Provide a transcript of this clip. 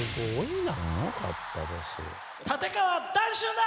立川談春だ！